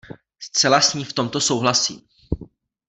Zcela s ní v tomto souhlasím.